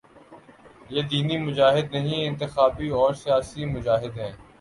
یہ دینی مجاہد نہیں، انتخابی اور سیاسی مجاہد ہیں۔